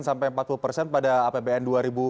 sampai empat puluh persen pada apbn dua ribu dua puluh